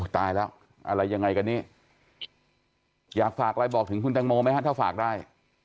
ตายแล้วอะไรยังไงกันนี้อยากฝากอะไรบอกถึงคุณแตงโมไหมฮะถ้าฝากได้